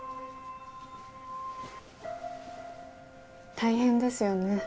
大変ですよね。